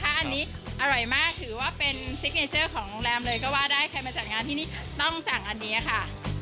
อันนี้อร่อยมากถือว่าเป็นซิกเนเจอร์ของโรงแรมเลยก็ว่าได้ใครมาจัดงานที่นี่ต้องสั่งอันนี้ค่ะ